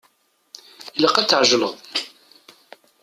Ilaq ad tɛejleḍ.